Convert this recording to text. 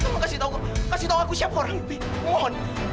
maksud aku gini jadi siapapun